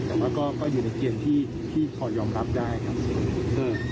แต่ว่าก็อยู่ในเกณฑ์ที่พอยอมรับได้ครับ